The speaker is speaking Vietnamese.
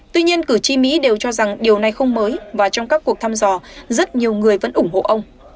tuy nhiên cử tri mỹ đều cho rằng điều này không mới và trong các cuộc thăm dò rất nhiều người vẫn ủng hộ ông